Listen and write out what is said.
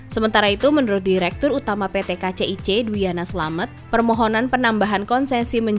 sementara itu menurut direktur utama pt kcic duyana selamet permohonan penambahan konsesi menjadi delapan puluh tahun dan berhenti